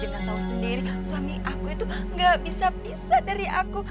kita tahu sendiri suami aku itu gak bisa bisa dari aku